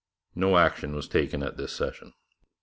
No action was taken at this session.